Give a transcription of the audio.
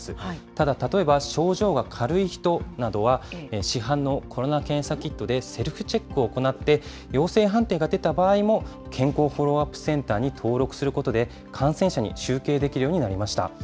ただ、例えば症状が軽い人などは、市販のコロナ検査キットでセルフチェックを行って、陽性判定が出た場合も健康フォローアップセンターに登録することで、感染者に集計できるようになりました。